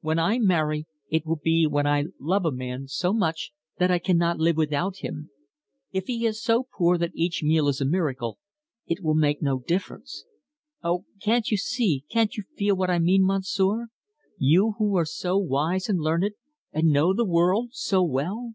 When I marry, it will be when I love a man so much that I cannot live without him. If he is so poor that each meal is a miracle, it will make no difference. Oh, can't you see, can't you feel, what I mean, Monsieur you who are so wise and learned, and know the world so well?"